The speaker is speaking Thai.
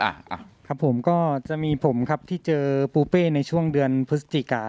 อ่ะครับผมก็จะมีผมครับที่เจอปูเป้ในช่วงเดือนพฤศจิกา